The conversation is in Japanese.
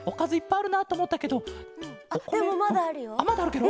あっまだあるケロ？